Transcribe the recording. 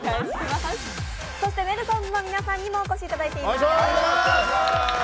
そしてネルソンズの皆さんにもお越しいただいています。